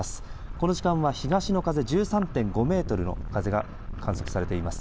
この時間は東の風１３．５メートルの風が観測されています